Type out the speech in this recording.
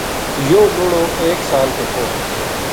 یوہ لُڑو ایک سال کو تھو